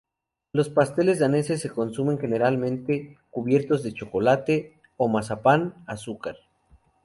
Los pasteles daneses se consumen generalmente cubiertos de chocolate o mazapán, azúcar.